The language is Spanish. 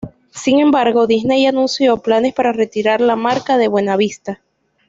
Sin embargo Disney anunció planes para retirar la marca de Buena Vista.